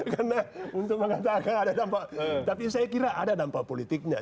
karena untuk mengatakan ada dampak tapi saya kira ada dampak politiknya